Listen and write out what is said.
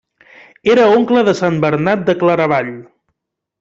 Era oncle de Sant Bernat de Claravall.